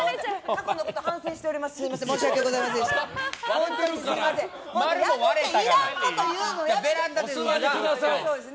過去のこと反省しております。